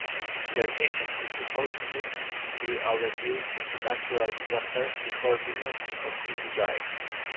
Their mission is supposed to be alleviating natural disasters before millions of people die.